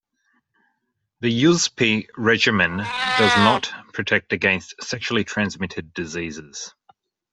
The Yuzpe Regimen does not protect against sexually transmitted diseases.